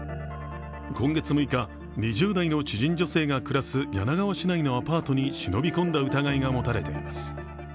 今月６日、２０代の知人女性が暮らす柳川市内のアパートに忍び込んだ疑いが持たれています。